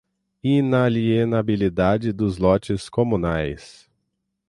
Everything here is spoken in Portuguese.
inalienabilidade dos lotes comunais